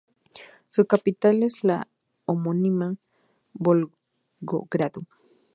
Su capital es la homónima Volgogrado.